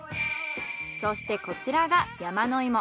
そしてこちらが山の芋。